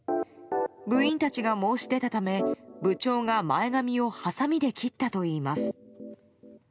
部員たちが申し出たため部長が前髪をはさみで切ったといいます。